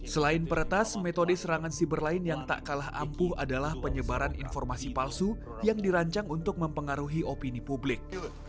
selain peretas metode serangan siber lain yang tak kalah ampuh adalah penyebaran informasi palsu yang dirancang untuk mempengaruhi opini publik